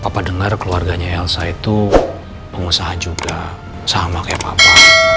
papa dengar keluarganya elsa itu pengusaha juga sama kayak papa